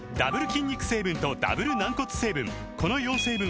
筋肉成分とダブル軟骨成分